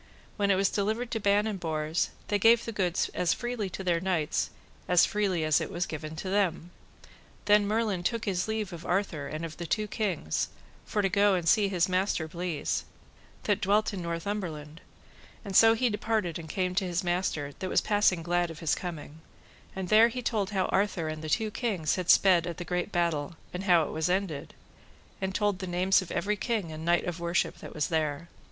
When it was delivered to Ban and Bors, they gave the goods as freely to their knights as freely as it was given to them. Then Merlin took his leave of Arthur and of the two kings, for to go and see his master Bleise, that dwelt in Northumberland; and so he departed and came to his master, that was passing glad of his coming; and there he told how Arthur and the two kings had sped at the great battle, and how it was ended, and told the names of every king and knight of worship that was there.